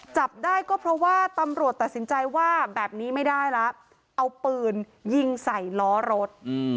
จับได้ก็เพราะว่าตำรวจตัดสินใจว่าแบบนี้ไม่ได้แล้วเอาปืนยิงใส่ล้อรถ